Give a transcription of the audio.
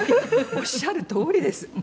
おっしゃるとおりです。